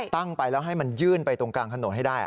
ตั้งไปแล้วให้มันยื่นไปตรงกลางถนนให้ได้